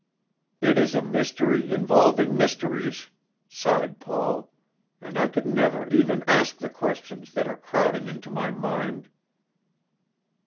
"It is a mystery involving mysteries," sighed Paul; "and I could never even ask the questions that are crowding into my mind."